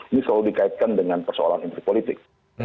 ini selalu dikaitkan dengan persoalan intrik politik